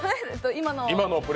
今の？